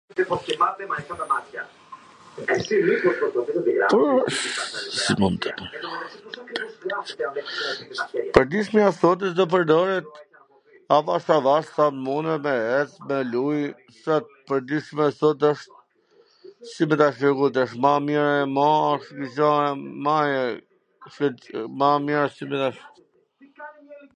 Pages me akorde do pwrdoret avash avash sa munden me luj sot pwr dy ... pwr shembull sot asht si me ta shpjegu tash, ma mir....